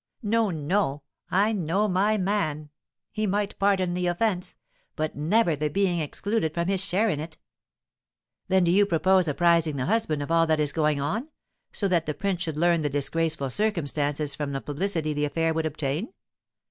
No, no! I know my man. He might pardon the offence, but never the being excluded from his share in it." "Then do you propose apprising the husband of all that is going on, so that the prince should learn the disgraceful circumstances from the publicity the affair would obtain?"